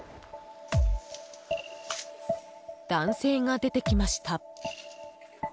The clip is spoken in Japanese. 男性が出てきました。